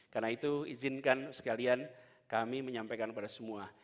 karena itu izinkan sekalian kami menyampaikan kepada semua